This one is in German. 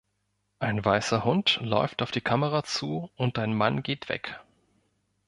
Ein weißer Hund läuft auf die Kamera zu und ein Mann geht weg.